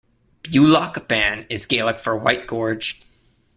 "Beulach Ban" is Gaelic for "white gorge".